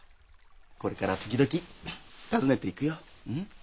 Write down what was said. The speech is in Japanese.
これから時々訪ねていくよ。